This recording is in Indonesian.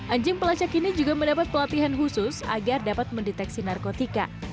anjing pelacak ini juga mendapat pelatihan khusus agar dapat mendeteksi narkotika